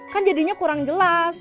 kan jadinya kurang jelas